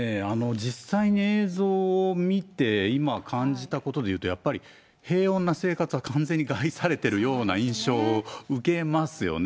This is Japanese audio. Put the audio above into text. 実際に映像を見て、今、感じたことで言うと、やっぱり平穏な生活は完全に害されてるような印象を受けますよね。